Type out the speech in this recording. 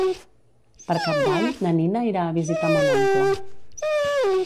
Per Cap d'Any na Nina irà a visitar mon oncle.